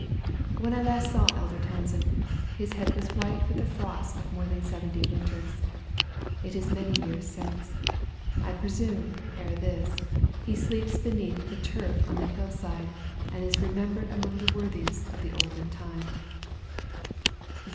When I last saw Elder Townsend, his head was white with the frosts of more than seventy winters. It is many years since. I presume, ere this, he sleeps beneath the turf on the hill side, and is remembered among the worthies of the olden time.